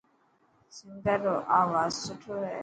سنگار رو آواز سٺو هي.